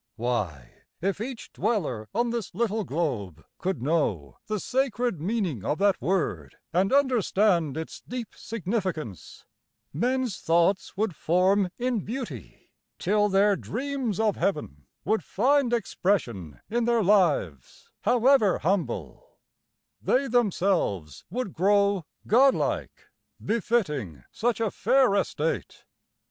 Why, if each dweller on this little globe Could know the sacred meaning of that word And understand its deep significance, Men's thoughts would form in beauty, till their dreams Of heaven would find expression in their lives, However humble; they themselves would grow Godlike, befitting such a fair estate.